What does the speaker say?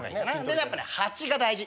でやっぱね鉢が大事。